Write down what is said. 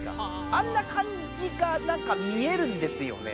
あんな感じがなんか見えるんですよね。